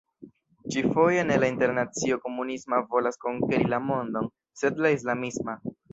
Ĉi-foje ne la internacio komunisma volas konkeri la mondon, sed la islamisma.